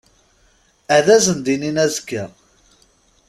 Ad sen-d-inin azekka.